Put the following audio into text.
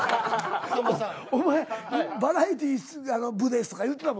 お前バラエティー部ですとか言うてたもんな？